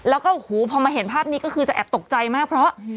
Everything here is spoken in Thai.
แล้วก็โอ้โหพอมาเห็นภาพนี้ก็คือจะแอบตกใจมากเพราะ